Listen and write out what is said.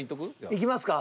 いきますか？